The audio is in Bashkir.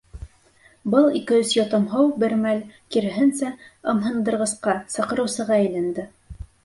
Был ике-өс йотом һыу бер мәл, киреһенсә, ымһындырғысҡа, саҡырыусыға әйләнде.